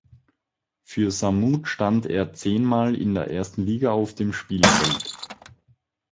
Für Samut stand er zehnmal in der ersten Liga auf dem Spielfeld.